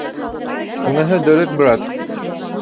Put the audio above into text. Уныһы дөрөҫ, брат.